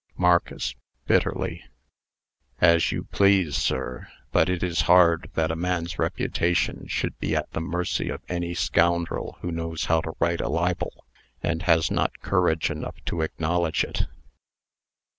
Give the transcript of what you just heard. MARCUS (bitterly). "As you please, sir; but it is hard that a man's reputation should be at the mercy of any scoundrel who knows how to write a libel, and has not courage enough to acknowledge it."